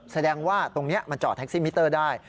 แสดงว่าตรงนี้มันจอดแท็กซี่มิเตอร์ได้